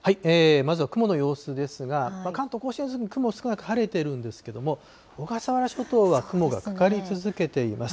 まずは雲の様子ですが、関東甲信越も雲少なく、晴れてるんですけれども、小笠原諸島は雲がかかり続けています。